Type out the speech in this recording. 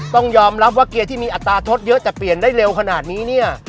ต้องยอมรับว่าเกียร์ที่มีอัตราโทษเยอะแต่เปลี่ยนได้เร็วขนาดนี้เนี่ย